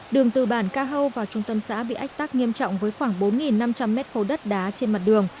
đường từ bản ca hâu vào trung tâm xã bị ách tắc nghiêm trọng với khoảng bốn năm trăm linh m khối đất đá trên mặt đường